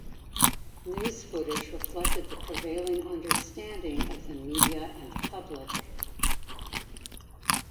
News footage reflected the prevailing understanding of the media and public.